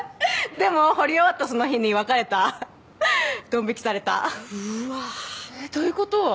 でも彫り終わったその日に別れたドン引きされたうわということは？